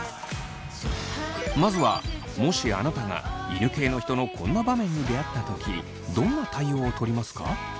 まずはもしあなたが犬系の人のこんな場面に出会った時どんな対応をとりますか？